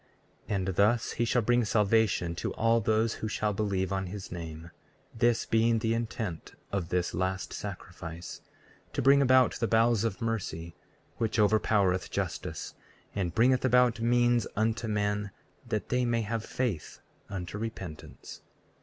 34:15 And thus he shall bring salvation to all those who shall believe on his name; this being the intent of this last sacrifice, to bring about the bowels of mercy, which overpowereth justice, and bringeth about means unto men that they may have faith unto repentance.